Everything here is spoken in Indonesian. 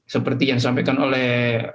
seperti yang disampaikan oleh